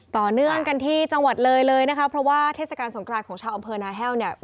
ต่อเนื่องกันที่จังหวัดเลยเลยนะคะเพราะว่าเทศกาลสงครานของชาวอำเภอนาแห้วเนี่ย